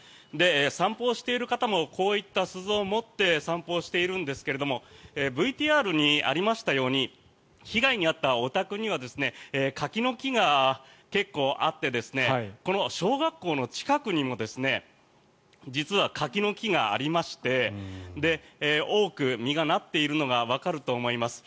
散歩をしている方もこういった鈴を持って散歩をしているんですがＶＴＲにありましたように被害に遭ったお宅には柿の木が結構あってこの小学校の近くにも実は柿の木がありまして多く実がなっているのがわかると思います。